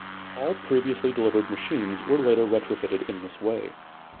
All previously delivered machines were later retrofitted in this way.